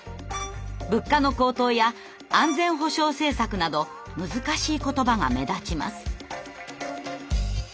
「物価の高騰」や「安全保障政策」など難しい言葉が目立ちます。